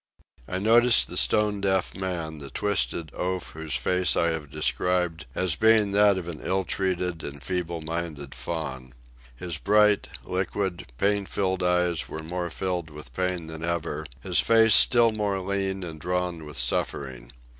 I noticed the stone deaf man, the twisted oaf whose face I have described as being that of an ill treated and feeble minded faun. His bright, liquid, pain filled eyes were more filled with pain than ever, his face still more lean and drawn with suffering.